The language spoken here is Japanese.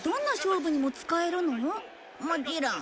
もちろん。